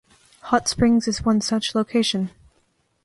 Hot Springs is one such location.